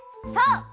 そう！